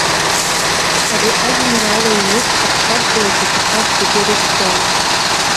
Ари ажәеинраала ҩуп ҳаԥсадгьылаз иҭахаз зегьы рыхьӡала.